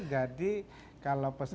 jadi kalau peserta